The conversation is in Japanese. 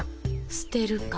すてるか。